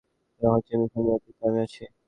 সমস্যাটা হচ্ছে, মিশনের নেতৃত্বে আমিও আছি!